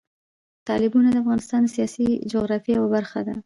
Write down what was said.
تالابونه د افغانستان د سیاسي جغرافیه یوه برخه ده.